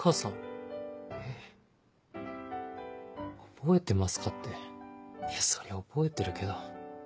「覚えてますか？」っていやそりゃ覚えてるけど。